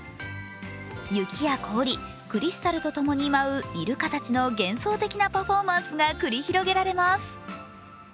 雪や氷、クリスタルと共に舞うイルカたちの幻想的なパフォーマンスが繰り広げられます。